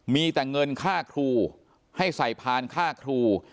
มีแต่เงินค่าครูให้ใส่พานค่าครู